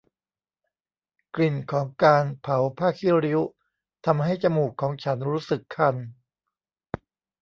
กลิ่นของการเผาผ้าขี้ริ้วทำให้จมูกของฉันรู้สึกคัน